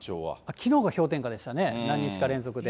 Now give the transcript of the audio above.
きのうが氷点下でしたね、何日か連続で。